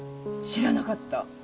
知らなかった。